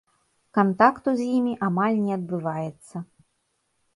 Кантакту з імі амаль не адбываецца.